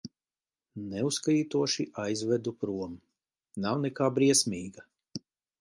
Neuzkrītoši aizvedu prom, nav nekā briesmīga.